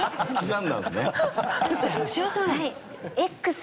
Ｘ。